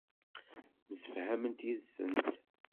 Msefhament yid-sent.